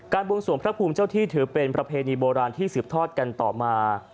บวงสวงพระภูมิเจ้าที่ถือเป็นประเพณีโบราณที่สืบทอดกันต่อมา